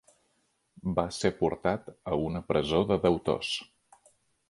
Va ser portat a una presó de deutors.